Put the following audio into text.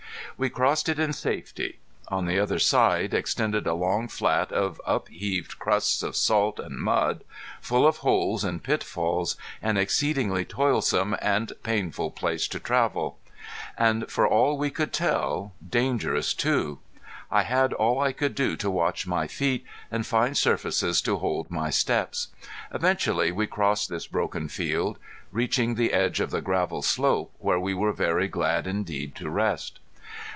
We crossed it in safety. On the other side extended a long flat of upheaved crusts of salt and mud, full of holes and pitfalls, an exceedingly toilsome and painful place to travel, and for all we could tell, dangerous too. I had all I could do to watch my feet and find surfaces to hold my steps. Eventually we crossed this broken field, reaching the edge of the gravel slope, where we were very glad indeed to rest.